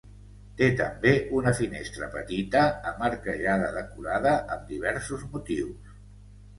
Té també una finestra petita amb arquejada decorada amb diversos motius.